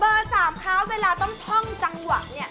เบอร์สามครับเวลาต้องพ่อจังหวะเนี่ย